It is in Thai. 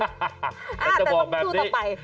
อ่าแต่ต้องสู้ต่อไป